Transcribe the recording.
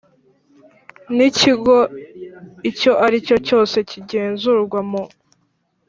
N ikigo icyo aricyo cyose kigenzurwa mu